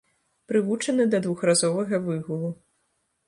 Прывучаны да двухразовага выгулу.